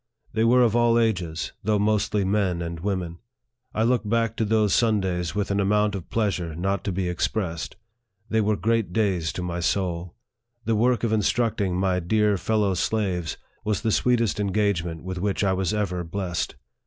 They were of all ages, though mostly men and women. I look back to those Sundays with an amount of pleasure not to be expressed. They were great days to my soul. The work of instructing my dear fellow slaves was the sweetest engagement with which I was ever blessed.